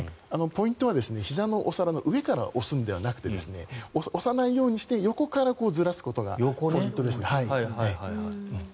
ポイントは、ひざのお皿の上から押すのではなくて押さないようにして横からずらすことがポイントですね。